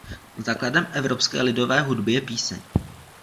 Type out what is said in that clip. Základem evropské lidové hudby je píseň.